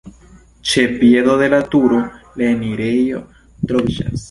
Ĉe piedo de la turo la enirejo troviĝas.